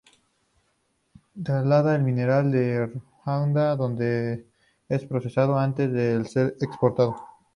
Traslada el mineral a Ruanda donde es procesado antes de ser exportado.